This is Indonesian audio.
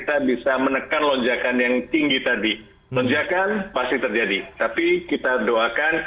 tetapi kita tetap mengusahakan